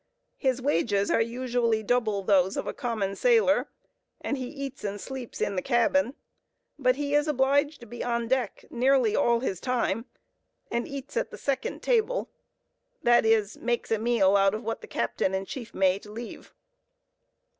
His wages are usually double those of a common sailor, and he eats and sleeps in the cabin; but he is obliged to be on deck nearly all his time, and eats at the second table, that is, makes a meal out of what the captain and chief mate leave.